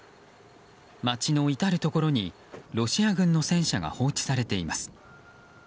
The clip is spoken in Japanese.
街の至るところにロシア軍の戦車が放置されています。